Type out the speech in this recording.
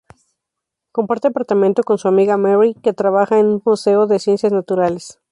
Comparte apartamento con su amiga Mary, que trabaja en un museo de ciencias naturales.